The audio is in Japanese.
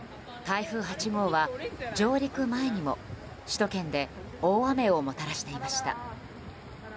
台風８号は上陸前にも首都圏で大雨をもたらしていました。